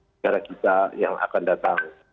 negara kita yang akan datang